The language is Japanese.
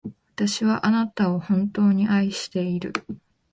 私はあなたを、本当に愛している。